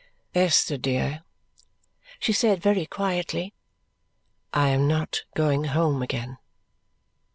"Esther, dear," she said very quietly, "I am not going home again."